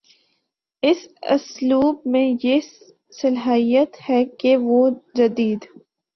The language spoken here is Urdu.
اس اسلوب میں یہ صلاحیت ہے کہ وہ جدید